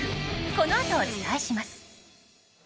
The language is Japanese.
このあとお伝えします。